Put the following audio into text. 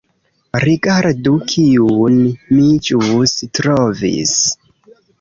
Rigardu kiun mi ĵus trovis